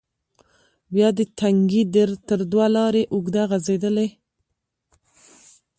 بیا د تنگي تر دوه لارې اوږده غزیدلې،